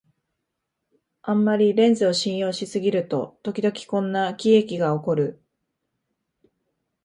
あんまりレンズを信用しすぎると、ときどきこんな喜劇がおこる